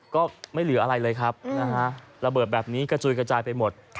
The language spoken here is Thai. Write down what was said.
ก็ไม่เหลืออะไรเลยครับนะฮะระเบิดแบบนี้กระจุยกระจายไปหมด